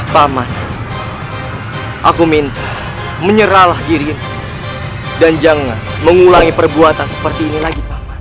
paman aku minta menyerahlah diri dan jangan mengulangi perbuatan seperti ini lagi pak